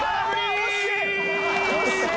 惜しい！